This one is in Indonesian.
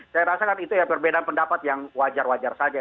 saya rasa kan itu ya perbedaan pendapat yang wajar wajar saja